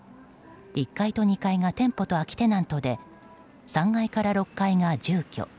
１階と２階が店舗と空きテナントで３階から６階が住居。